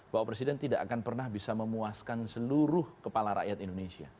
bahwa presiden tidak akan pernah bisa memuaskan seluruh kepala rakyat indonesia